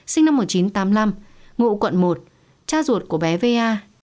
sinh năm một nghìn chín trăm tám mươi năm ngụ quận một cha ruột của bé va